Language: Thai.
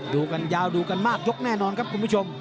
ดูกันยาวดูกันมากยกแน่นอนครับคุณผู้ชม